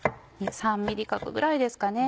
２３ｍｍ角ぐらいですかね。